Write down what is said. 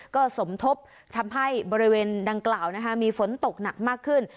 ก็สมทบทำให้บริเวณดังกล่าวมีฝนตกหนักมากขึ้น